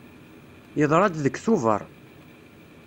Yeḍra-d deg Tubeṛ.